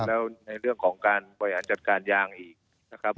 แล้วในเรื่องของการบริหารจัดการยางอีกนะครับ